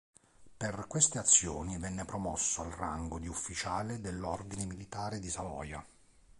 Per queste azioni venne promosso al rango di Ufficiale dell'Ordine Militare di Savoia.